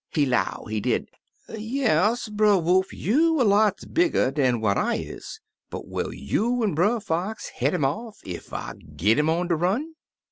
He 'low, he did, *Yes, Brer Wolf, you er lots bigger dan what I is ; but will you an' Brer Fox head 'im off ef I git 'im on de run?'